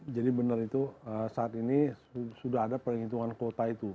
benar itu saat ini sudah ada perhitungan kuota itu